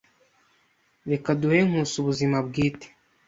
Reka duhe Nkusi ubuzima bwite.